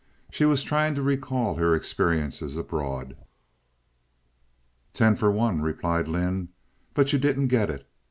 She was trying to recall her experiences abroad. "Ten for one," replied Lynde; "but you didn't get it.